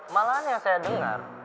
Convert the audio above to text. malah yang saya dengar